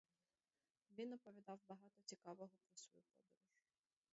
Він оповідав багато цікавого про свою подорож.